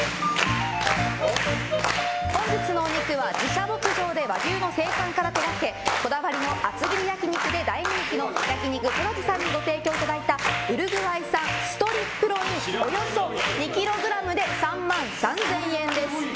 本日のお肉は自社牧場で和牛の生産から手掛けこだわりの厚切り焼き肉で大人気の焼肉トラジさんにご提供いただいたウルグアイ産ストリップロインおよそ２ｋｇで３万３０００円です。